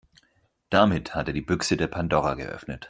Damit hat er die Büchse der Pandora geöffnet.